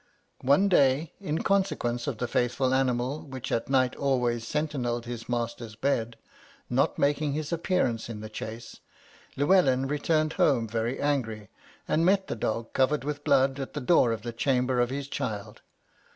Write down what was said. One day, in consequence of the faithful animal, which at night always 'sentinelled his master's bed,' not making his appearance in the chase, Llewelyn returned home very angry, and met the dog, covered with blood, at the door of the chamber of his child.